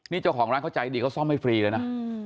นี่เจ้าของร้านเขาใจดีเขาซ่อมให้ฟรีเลยนะ